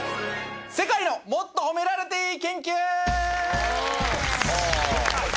世界のもっと褒められていい研究！